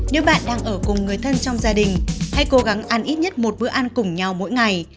nếu bạn đang ở cùng người thân trong gia đình hãy cố gắng ăn ít nhất một bữa ăn cùng nhau mỗi ngày